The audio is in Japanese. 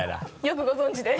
よくご存じで。